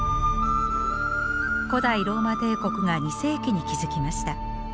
古代ローマ帝国が２世紀に築きました。